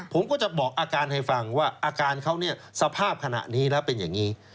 ผมก็จะบอกอาการให้ฟังว่าอาการเขาเนี่ยสภาพขณะนี้แล้วเป็นอย่างนี้